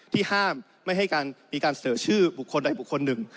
ที่ห้ามไม่ให้มีการเสนอชื่อบุคคลไหนบุคคลหนึ่ง